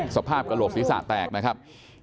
กระโหลกศีรษะแตกนะครับ